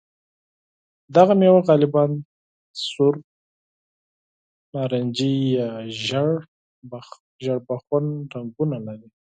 دغه مېوه غالباً سور، نارنجي یا ژېړ بخن رنګونه لري.